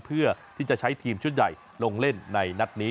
เพื่อที่จะใช้ทีมชุดใหญ่ลงเล่นในนัดนี้